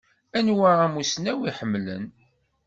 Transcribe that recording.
Anwa amussnaw i ḥemmlen?